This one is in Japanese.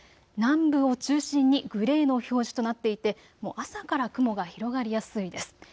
南部を中心にグレーの表示となっていて朝から雲が広がりやすいです。